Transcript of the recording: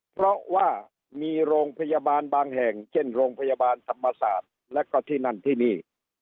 เพราะว่ามีโรงพยาบาลบางแห่งเช่นโรงพยาบาลธรรมศาสตร์และก็ที่นั่นที่นี่